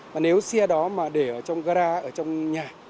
và nếu xe đó mà để ở trong gara ở trong nhà